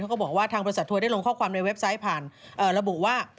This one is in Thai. ก็บอกว่าทางบริษัททัวร์ได้ลงข้อความในเว็บไซต์ผ่านระบุว่า